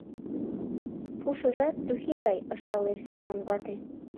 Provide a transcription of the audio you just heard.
— Пушыжат духи гай, — ышталеш Семон вате.